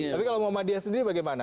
tapi kalau muhammadiyah sendiri bagaimana